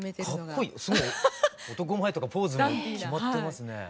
すごい男前というかポーズも決まってますね。